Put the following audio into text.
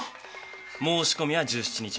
申し込みは１７日まで。